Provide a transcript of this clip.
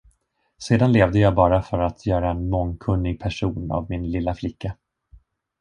Sedan levde jag bara för att göra en mångkunnig person av min lilla flicka.